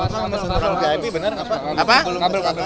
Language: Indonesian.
bapak mas orang bip benar nggak